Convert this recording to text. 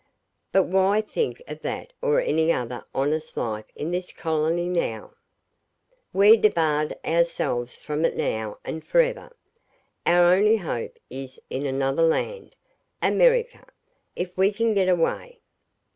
But why think of that or any other honest life in this colony now? We've debarred ourselves from it now and for ever. Our only hope is in another land America if we can get away.